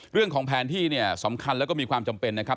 เรื่องของแผนที่สำคัญและมีความจำเป็นนะครับ